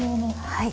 はい。